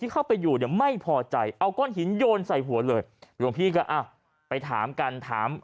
ที่เข้าไปอยู่ไม่พอใจเอาก้อนหินโยนใส่หัวเลยไปถามกันถาม